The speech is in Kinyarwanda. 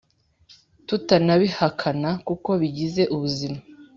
tutanabihakana kuko bigize ubuzima